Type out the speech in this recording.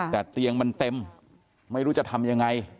แต่เตียงมันเต็มไม่รู้จะทำยังไง